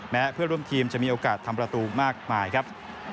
เพื่อนร่วมทีมจะมีโอกาสทำประตูมากมายครับ